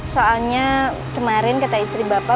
soalnya kemarin kata istri bapak